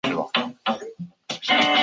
昌乐县境内有齐国故都营丘遗址。